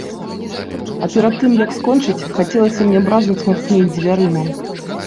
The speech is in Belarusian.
А перад тым як скончыць, хацелася мне бразнуць мацней дзвярыма.